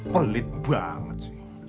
pelit banget sih